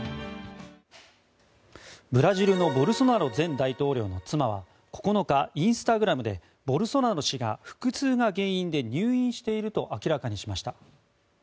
ブラジルのボルソナロ前大統領の妻は９日、インスタグラムでボルソナロ氏が腹痛が原因で入院していると明らかにしました。